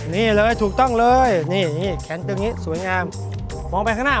นี่เลยถูกต้องเลยนี่แขนตรงนี้สวยงามมองไปข้างหน้า